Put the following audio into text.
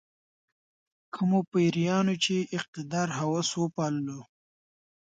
کومو پیریانو چې اقتدار هوس وپاللو.